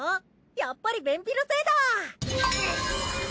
やっぱり便秘のせいだ！